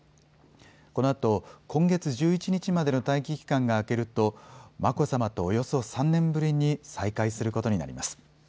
このあと今月１１日までの待機期間が明けると眞子さまとおよそ３年ぶりに再会することになります。